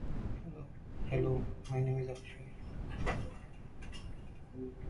Some traditions have subsequently identified Shamdon as the father of Asmodeus.